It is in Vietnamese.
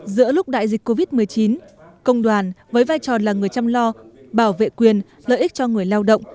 giữa lúc đại dịch covid một mươi chín công đoàn với vai trò là người chăm lo bảo vệ quyền lợi ích cho người lao động